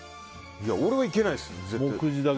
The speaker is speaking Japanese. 俺はいけないです、絶対。